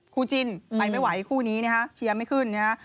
คู่จิ้นไปไม่ไหวคู่นี้นะฮะเชียร์ไม่ขึ้นนะฮะ